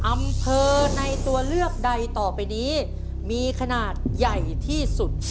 อำเภอในตัวเลือกใดต่อไปนี้มีขนาดใหญ่ที่สุด